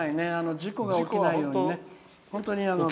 事故が起きないように。